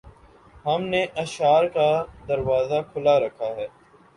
ہم نے اشعار کا دروازہ کھُلا رکھا ہے